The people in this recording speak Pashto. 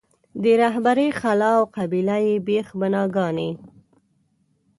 د رهبرۍ خلا او قبیله یي بېخ بناګانې.